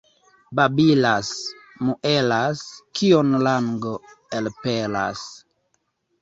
Babilas, muelas, kion lango elpelas.